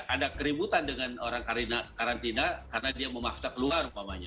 ada keributan dengan orang karantina karena dia memaksa keluar umpamanya